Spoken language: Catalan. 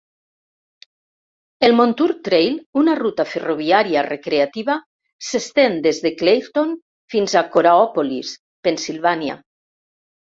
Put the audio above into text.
El Montour Trail, una ruta ferroviària recreativa, s'estén des de Clairton fins a Coraopolis, Pennsylvania.